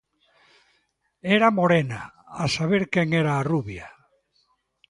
Era morena, a saber quen era a rubia?